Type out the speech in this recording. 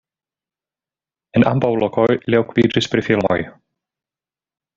En ambaŭ lokoj li okupiĝis pri filmoj.